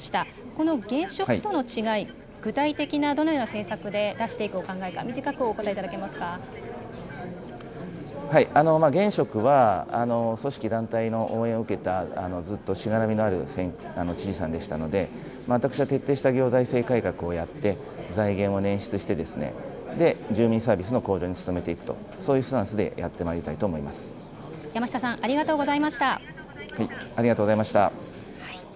この現職との違い、具体的に、どのような政策で出していくお考えか、現職は、組織、団体の応援を受けた、ずっとしがらみのある知事さんでしたので、私は徹底した行財政改革をやって、財源を捻出して、住民サービスの向上に努めていくと、そういうスタンスでやってま山下さん、ありがとうございありがとうございました。